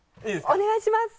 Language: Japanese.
お願いします。